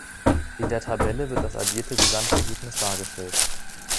In der Tabelle wird das addierte Gesamtergebnis dargestellt.